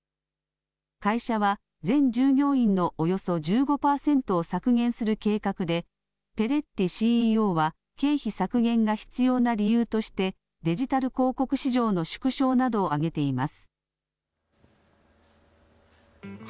会社は全従業員のおよそ１５パーセントを削減する計画でペレッティＣＥＯは経費削減が必要な理由としてデジタル広告市場の縮小などを挙げています。